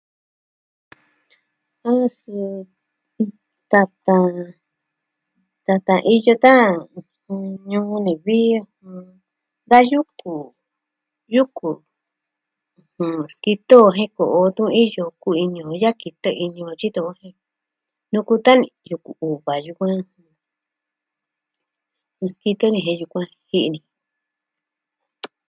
A suu, tatan... tatan iyo tan ñuu ni vi da yuku, yuku skitɨ o jen ko'o tun iyo kuvi ini o de yaji kitɨ ini o katyi o jen. Nuku tan ni, yuku uva yukuan. Skitɨ ni jen yukuan ji'i ni.